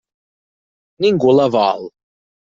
Ningú la vol.